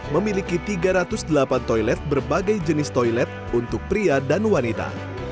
memiliki tiga ratus delapan toilet berbagai jenis toilet untuk pria dan wanita